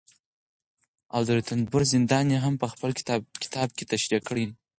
او د رنتبور زندان يې هم په خپل کتابکې تشريح کړى دي